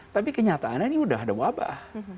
tapi kenyataannya ini sudah ada wabah